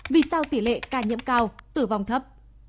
vì sao tỷ lệ ca nhiễm cao tử vong thấp